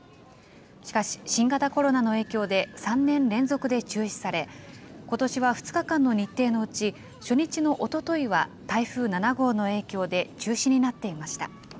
しかし、新型コロナの影響で３年連続で中止され、ことしは２日間の日程のうち、初日のおとといは台風７号の影響で中止になっていました。